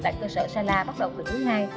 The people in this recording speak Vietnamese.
tại cơ sở sala bắt đầu từ thứ hai